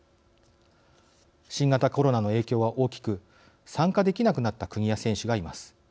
新型コロナの影響は大きく参加できなくなった国や選手がいます。